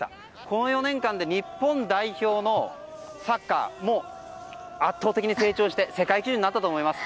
この４年間で日本代表のサッカー圧倒的に成長して世界基準になったと思います。